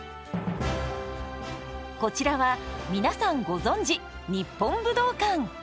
こちらは皆さんご存じ日本武道館。